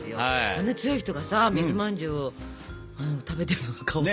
あの強い人がさ水まんじゅうを食べてるのがかわいくて。